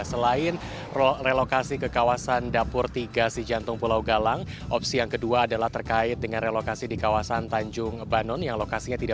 selain relokasi ke kawasan dapur tiga si jantung pulau galang opsi yang kedua adalah terkait dengan relokasi di kawasan tanjung banon yang lokasinya tidak